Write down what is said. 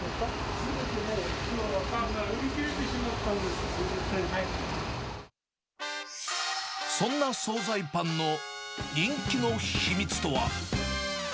すべて売り切れてしまったん売り切れてしまったんですか、そんな総菜パンの人気の秘密とは。